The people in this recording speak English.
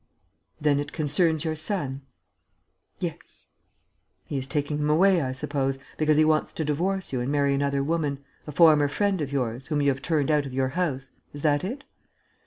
"Then it concerns your son?" "Yes." "He is taking him away, I suppose, because he wants to divorce you and marry another woman, a former friend of yours, whom you have turned out of your house. Is that it?